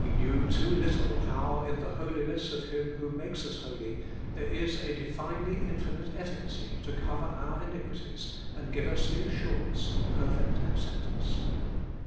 We knew too little how. in the Holiness of Him who makes us holy, there is a Divinely infinite efficacy to cover our iniquities, and give us the assurance of perfect acceptance.